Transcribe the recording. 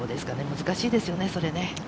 難しいですよね、それね。